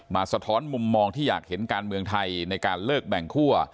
สะท้อนมุมมองที่อยากเห็นการเมืองไทยในการเลิกแบ่งคั่ว